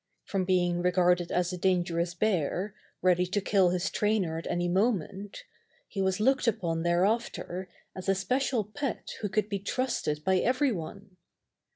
From being regarded as a dangerous bear, ready to kill his trainer at any moment, he was looked upon thereafter as a special pet who could be trusted by every one.